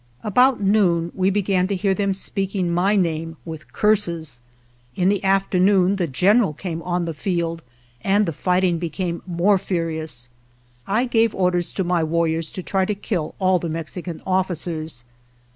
About noon we began to hear them speak ing my name with curses. In the afternoon the general came on the field and the fight ing became more furious. I gave orders to my warriors to try to kill all the Mexican officers.